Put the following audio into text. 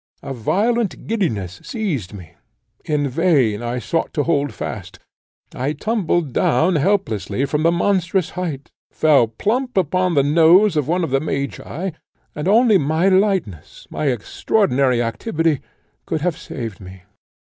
A violent giddiness seized me; in vain I sought to hold fast; I tumbled down helplessly from the monstrous height, fell plump upon the nose of one of the magi, and only my lightness, my extraordinary activity, could have saved me.